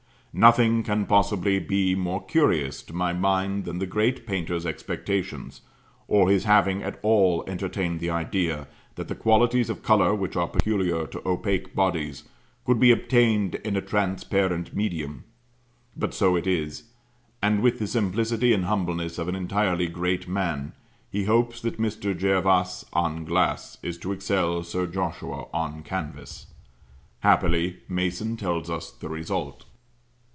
Nothing can possibly be more curious, to my mind, than the great painter's expectations; or his having at all entertained the idea that the qualities of colour which are peculiar to opaque bodies could be obtained in a transparent medium; but so it is: and with the simplicity and humbleness of an entirely great man he hopes that Mr. Jervas on glass is to excel Sir Joshua on canvas. Happily, Mason tells us the result.